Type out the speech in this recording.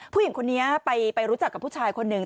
ผู้หญิงคนนี้ไปรู้จักกับผู้ชายคนหนึ่ง